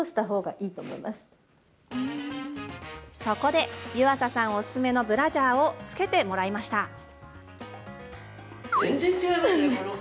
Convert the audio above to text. そこで湯浅さんおすすめのブラジャーを着けてもらいました。